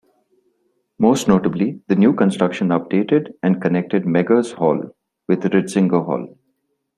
Most notably, the new construction updated and connected Meggers Hall with Ritzinger Hall.